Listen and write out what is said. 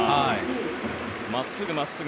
まっすぐ、まっすぐ。